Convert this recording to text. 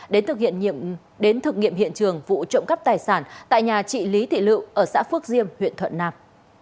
đến thực nghiệm hiện trường vụ trộm cắp tài sản tại nhà trị lý thị lự ở xã phước diêm huyện thuận nam